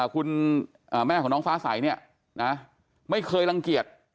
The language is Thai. คุณแม่ของน้องฟ้าสัยไม่เคยรังเกลียด